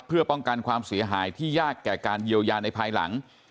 เพื่อป้องกันความเสียหายที่ยากแก่การเยียวยาในภายหลัง